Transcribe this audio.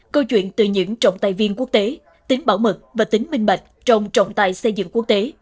câu chuyện từ những trọng tài viên quốc tế tính bảo mật và tính minh bạch trong trọng tài xây dựng quốc tế